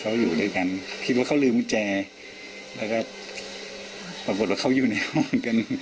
เขาอยู่ด้วยกันคิดว่าเขาลืมกุญแจแล้วก็ปรากฏว่าเขาอยู่ในห้องกัน